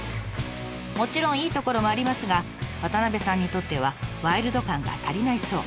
もちろんいいところもありますが渡部さんにとってはワイルド感が足りないそう。